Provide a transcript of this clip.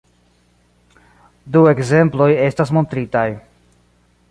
Du ekzemploj estas montritaj.